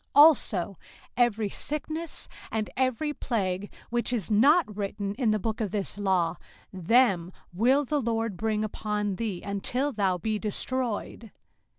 05:028:061 Also every sickness, and every plague, which is not written in the book of this law, them will the LORD bring upon thee, until thou be destroyed.